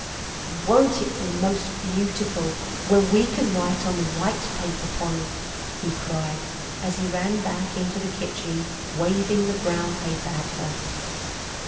"Won't it be most beautiful when we can write on the white paper, Polly?" he cried, as he ran back into the kitchen, waving the brown paper at her.